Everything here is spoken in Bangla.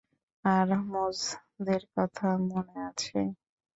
আর মোজদের কথা মনে আছে?